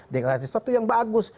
deklarasi suatu yang bagus